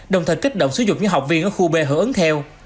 đồng thời kích động sử dụng những học viên ở khu b hưởng ứng theo